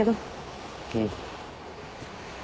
うん。